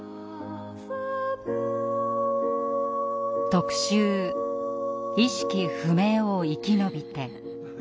特集「意識不明」を生きのびて。